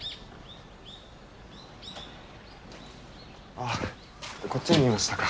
ああこっちにいましたか。